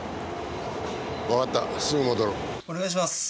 お願いします。